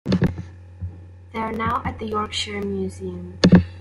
They are now at the Yorkshire Museum.